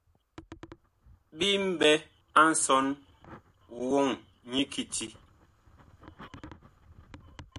Bi mɓɛ a nsɔn woŋ nyi kiti.